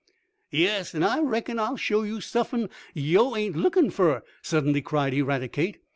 "Yes, an' I reckon I'll show yo' suffin yo' ain't lookin' fer!" suddenly cried Eradicate.